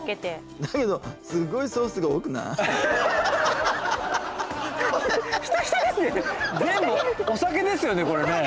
だけど全部お酒ですよねこれねえ。